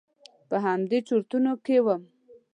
په همدې چرتونو کې وم.